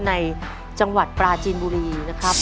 ในจังหวัดปราจีนบุรีนะครับ